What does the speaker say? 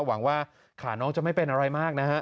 หวังว่าขาน้องจะไม่เป็นอะไรมากนะฮะ